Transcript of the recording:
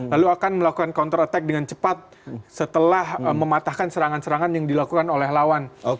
lalu akan melakukan counter attack dengan cepat setelah mematahkan serangan serangan yang dilakukan oleh lawan